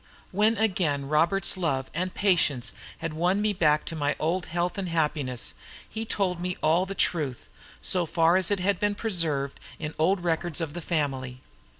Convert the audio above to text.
When again Robert's love and patience had won me back to my old health and happiness, he told me all the truth, so far as it had been preserved in old records of the family.